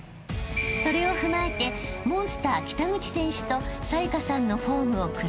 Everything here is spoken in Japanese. ［それを踏まえてモンスター北口選手と紗優加さんのフォームを比べてみると］